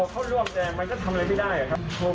ไม่ขอเข้าร่วมแดงมันจะทำอะไรไม่ได้อะครับ